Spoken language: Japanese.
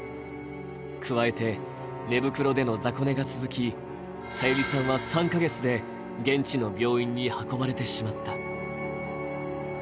加えて寝袋での雑魚寝が続き、さゆりさんは３か月で現地の病院に運ばれてしまった。